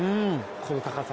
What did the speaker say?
この高さ。